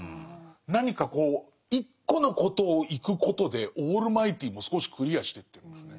何かこう一個のことを行くことでオールマイティも少しクリアしてってるんですね。